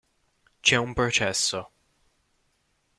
C'è un processo.